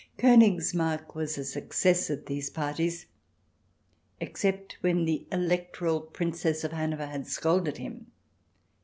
KOnigsmarck was a success at these parties, except when the Electoral Princess of Hanover had scolded him.